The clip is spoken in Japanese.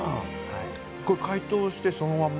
これ解凍してそのまま？